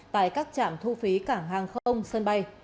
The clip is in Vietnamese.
tại các trạm thu phí cảng hàng không sân bay